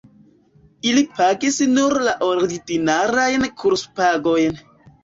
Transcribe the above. Ili pagis nur la ordinarajn kurspagojn.